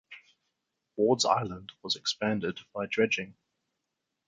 Ward's Island was expanded by dredging.